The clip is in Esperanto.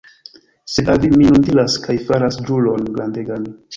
Sed al vi mi nun diras kaj faras ĵuron grandegan.